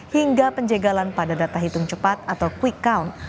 hingga penjagalan pada data hitung cepat atau quick count